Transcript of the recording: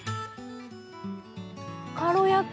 軽やか。